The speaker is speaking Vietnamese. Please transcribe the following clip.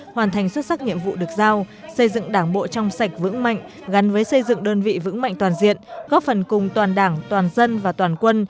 hoàn thành xuất sắc nhiệm vụ được giao xây dựng đảng bộ trong sạch vững mạnh gắn với xây dựng đơn vị vững mạnh toàn diện góp phần cùng toàn đảng toàn dân và toàn quân